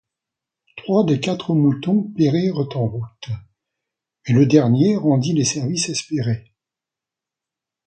Trois des quatre moutons périrent en route, mais le dernier rendit les services espérés.